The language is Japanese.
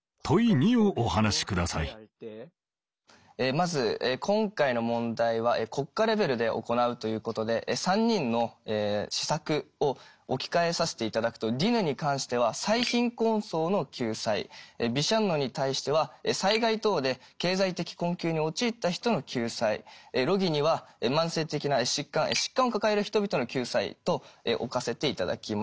まず今回の問題は国家レベルで行うということで３人の施策を置き換えさせていただくとディヌに関しては最貧困層の救済ビシャンノに対しては災害等で経済的困窮に陥った人の救済ロギニは慢性的な疾患疾患を抱える人々の救済と置かせていただきます。